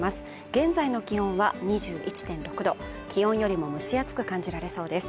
現在の気温は２１．６度気温よりも蒸し暑く感じられそうです。